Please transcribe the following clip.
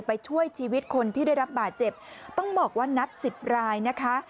ช่วยชีวิตคนที่ได้รับบาดเจ็บต้องบอกว่านับสิบรายนะคะ